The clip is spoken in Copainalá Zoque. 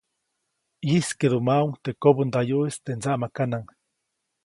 ʼYijskeʼdumaʼuŋ teʼ kobändayuʼis teʼ ndsaʼmakanaŋ.